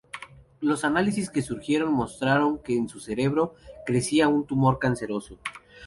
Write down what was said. Los análisis que siguieron mostraron que en su cerebro crecía un tumor canceroso.